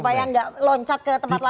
supaya nggak loncat ke tempat lain